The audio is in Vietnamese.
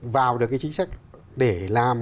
vào được cái chính sách để làm